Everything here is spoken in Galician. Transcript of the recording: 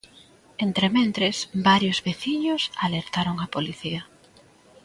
Entrementres, varios veciños alertaron a policía.